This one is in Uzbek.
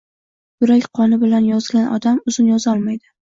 Yurak qoni bilan yozgan odam uzun yozolmaydi.